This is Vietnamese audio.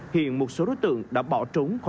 hiện một số đối tượng đã bỏ trúng